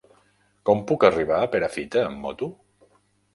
Com puc arribar a Perafita amb moto?